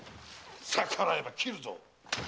逆らえば斬るぞ！